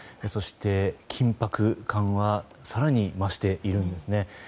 そして緊迫感は更に増しているんですね。